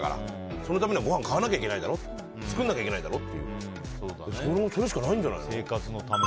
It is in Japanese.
そのためには、ごはんを買わないといけないだろ作らないといけないだろってそれしかないんじゃない。